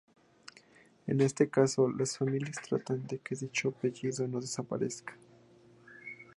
En ese caso las familias tratan de que dicho apellido no desaparezca.